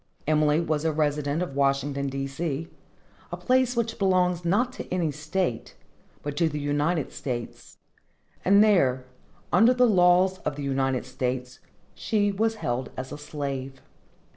Emily was a resident of Washington, D. C., a place which belongs not to any state, but to the United States; and there, under the laws of the United States, she was held as a slave.